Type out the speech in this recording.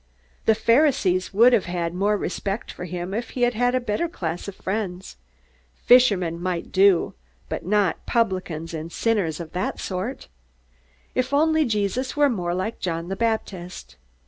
The Pharisees would have had more respect for him if he had had a better class of friends. Fishermen might do, but not publicans and sinners of that sort! If only Jesus were more like John the Baptist!